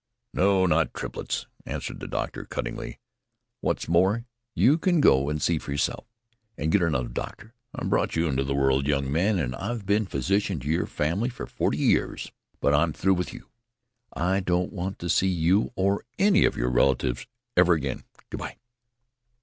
"No, not triplets!" answered the doctor cuttingly. "What's more, you can go and see for yourself. And get another doctor. I brought you into the world, young man, and I've been physician to your family for forty years, but I'm through with you! I don't want to see you or any of your relatives ever again! Good bye!"